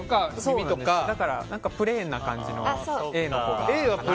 だから、プレーンな感じのＡの子かなと。